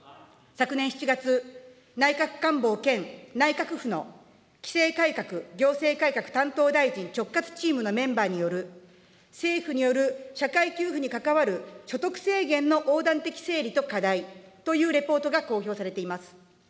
昨年７月、内閣官房兼内閣府の、規制改革・行政改革担当大臣直轄チームのメンバーによる、政府による社会給付に関わる所得制限の横断的整理と課題というレポートが公表されています。